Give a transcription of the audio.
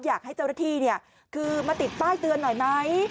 อยากให้เจ้าหน้าที่คือมาติดป้ายเตือนหน่อยไหม